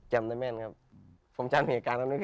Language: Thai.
จำได้แม่นครับ